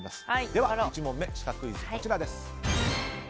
では１問目、シカクイズです。